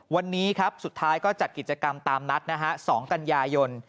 วันนี้ครับสุดท้ายก็จัดกิจกรรมตามนัดนะฮะ๒กันยายน